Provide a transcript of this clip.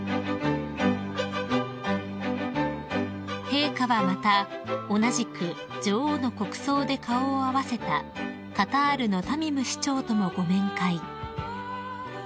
［陛下はまた同じく女王の国葬で顔を合わせたカタールのタミム首長ともご面会］